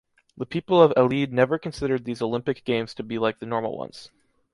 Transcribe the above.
The people of Elide never considered these Olympic Games to be like the normal ones.